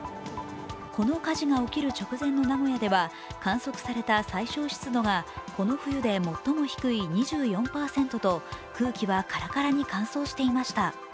この火事が起きる直前の名古屋では観測された最小湿度がこの冬で最も低い２４％と空気はカラカラに乾燥していました。